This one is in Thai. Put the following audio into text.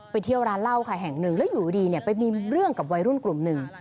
เที่ยวร้านเหล้าค่ะแห่งหนึ่งแล้วอยู่ดีเนี่ยไปมีเรื่องกับวัยรุ่นกลุ่มหนึ่ง